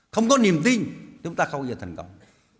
không có niềm tin chúng ta không bao giờ thành công